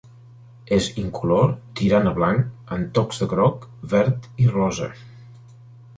És incolor tirant a blanc amb tocs de groc, verd i rosa.